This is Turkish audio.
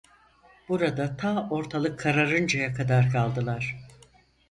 Burada ta ortalık kararıncaya kadar kaldılar.